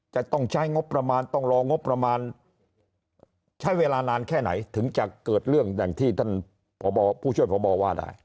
จะต้องใช้งบประมาณต้องรองบประมาณใช้เวลานานแค่ไหนถึงจะเกิดเรื่องอย่างที่ท่านผู้ช่วยพบว่าได้